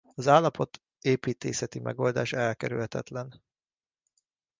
Az állapot építészeti megoldása elkerülhetetlen.